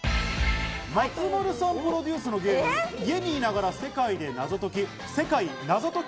松丸さんプロデュースのゲーム、『家にいながら世界でナゾトキ！